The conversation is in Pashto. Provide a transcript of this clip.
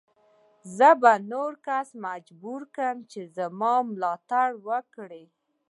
زه به نور کسان مجبور کړم چې زما ملاتړ وکړي.